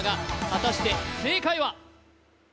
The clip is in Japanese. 果たして正解は？